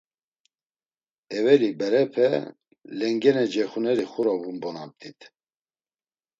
Eveli berepe lengene cexuneri xura vunbonamt̆it.